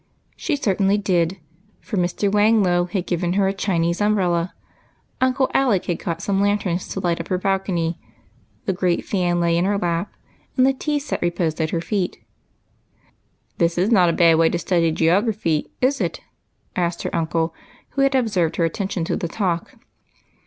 She certainly did, for Mr. Whang Lo had given her a Chinese umbrella; Uncle Alec had got some lanterns to light up her balcony ; the great fan lay in her lap, and the tea set reposed at her feet. " This is not a bad way to study geography, is it ?" asked her uncle, who had observed her attention to the talk.